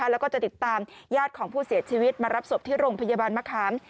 แล้วก็จะติดตามญาติของผู้เสียชีวิตมารับศพที่โรงพยาบาลมะขาม